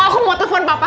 aku mau telepon papa